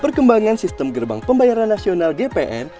perkembangan sistem gerbang pembayaran nasional gpn